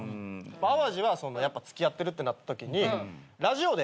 淡路は付き合ってるってなったときにラジオで。